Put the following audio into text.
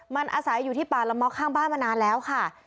มันอาศัยอยู่ที่ป่าละม้อข้างบ้านมานานแล้วค่ะ